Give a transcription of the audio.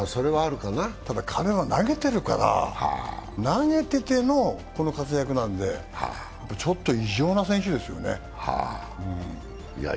ただ彼は投げてるから、投げててのこの活躍なんで、ちょっと異常な選手ですよね。